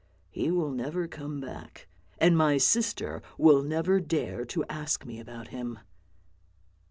He will never come back, and my sister will never dare to ask me about him."